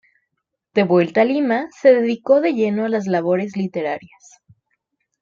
De vuelta a Lima, se dedicó de lleno a las labores literarias.